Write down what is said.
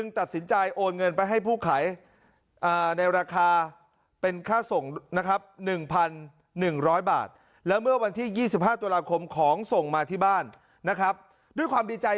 นะครับ๑๑๐๐บาทแล้วเมื่อวันที่๒๕ตุลาคมของส่งมาที่บ้านนะครับด้วยความดีใจ